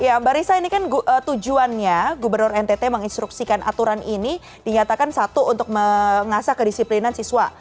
ya mbak risa ini kan tujuannya gubernur ntt menginstruksikan aturan ini dinyatakan satu untuk mengasah kedisiplinan siswa